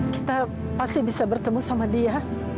kita pasti bisa bertemu sama dia